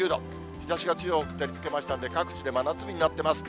日ざしが強く照りつけましたので、各地で真夏日になっています。